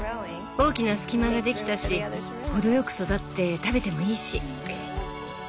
大きな隙間ができたし程よく育って食べてもいいし。